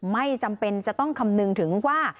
ไม่จำเป็นจะต้องคำนึงถึงว่า